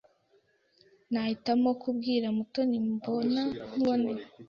Nahitamo kubwira Mutoni imbona nkubone.